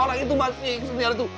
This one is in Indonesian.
orang itu masih seperti itu